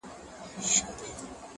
o د نظرونو په بدل کي مي فکرونه راوړل،